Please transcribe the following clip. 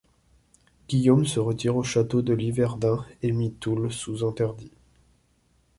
Guillaume se retire au château de Liverdun et mit Toul sous Interdit.